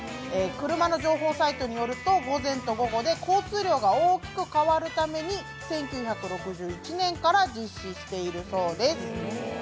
車の情報サイトによると、午前と午後で交通量が大きく変わるために１９６１年から実施しているそうです。